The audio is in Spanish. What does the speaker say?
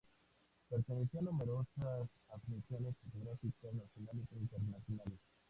Pertenecía a numerosas asociaciones fotográficas nacionales e internacionales.